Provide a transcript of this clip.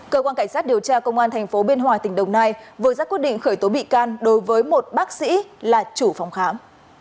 cơ quan cảnh sát điều tra công an thành phố bên hòa tỉnh đồng nai vừa giác quyết định khởi tố bị can đối với một bác sĩ là chủ phòng khám